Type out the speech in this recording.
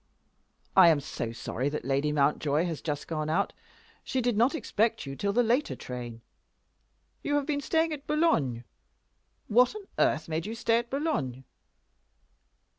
"I am so sorry that Lady Mountjoy has just gone out. She did not expect you till the later train. You have been staying at Boulogne. What on earth made you stay at Boulogne?"